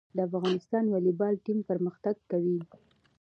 د افغانستان والیبال ټیم پرمختګ کوي